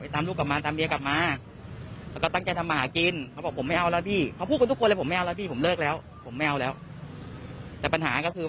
โทรมาทำให้เนี่ย